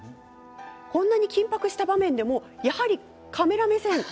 こんなに緊迫した場面でもやはりカメラ目線。